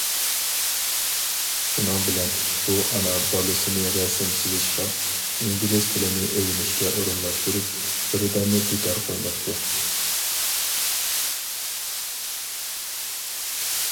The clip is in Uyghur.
شۇنىڭ بىلەن بۇ ئانا بالىسىنى رەسىم سىزىشقا، ئىنگلىز تىلىنى ئۆگىنىشكە ئورۇنلاشتۇرۇپ، بىردەممۇ بىكار قويماپتۇ.